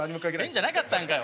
ペンじゃなかったんかい。